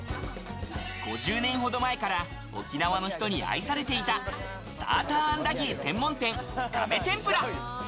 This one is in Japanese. ５０年ほど前から沖縄の人に愛されていたサーターアンダギー専門店かめ天ぷら。